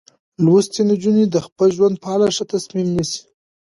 لوستې نجونې د خپل ژوند په اړه ښه تصمیم نیسي.